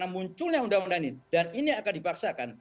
munculnya undang undang ini dan ini akan dipaksakan